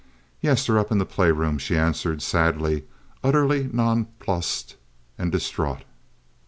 "Yes, they're up in the play room," she answered, sadly, utterly nonplussed and distraught.